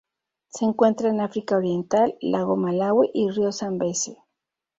Se encuentran en África Oriental: lago Malawi y río Zambeze.